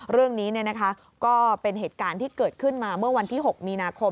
เรื่องนี้ก็เป็นเหตุการณ์ที่เกิดขึ้นมาเมื่อวันที่๖มีนาคม